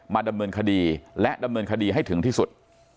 ดำเนินคดีและดำเนินคดีให้ถึงที่สุด